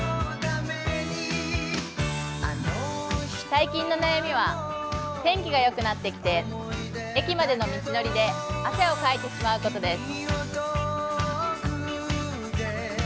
最近の悩みは天気がよくなってきて、駅までの道のりで汗をかいてしまうことです。